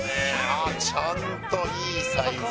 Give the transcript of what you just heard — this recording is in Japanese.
ちゃんといいサイズ。